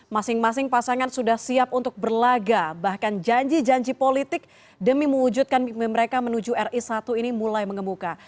masing masing pasangan sudah siap untuk berlaga bahkan janji janji politik demi mewujudkan mereka menuju ri satu ini mulai mengemuka